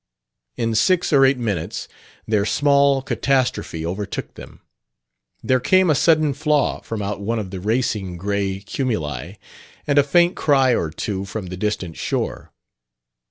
In six or eight minutes their small catastrophe overtook them. There came a sudden flaw from out one of the racing gray cumuli, and a faint cry or two from the distant shore.